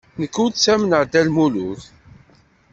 Nekk ur ttamneɣ Dda Lmulud.